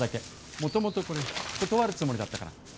もともとこれ断るつもりだったから。